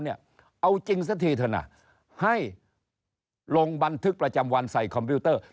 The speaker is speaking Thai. เอาจริงสักทีเถอะนะให้ลงบันทึกประจำวันใส่คอมพิวเตอร์